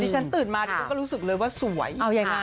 ฉันตื่นมาก็รู้สึกเลยว่าสวย